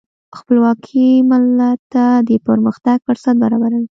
خپلواکي ملت ته د پرمختګ فرصت برابروي.